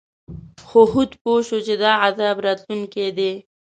خو هود پوه شو چې دا عذاب راتلونکی دی.